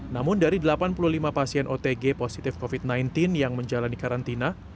namun dari delapan puluh lima pasien otg positif covid sembilan belas yang menjalani karantina